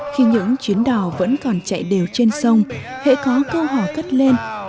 khi những chuyến đò vẫn còn chạy đều trên sông hãy có câu hỏi cất lên